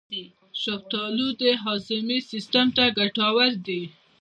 شفتالو د هاضمې سیستم ته ګټور دی.